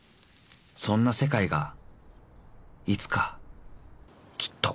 ［そんな世界がいつかきっと］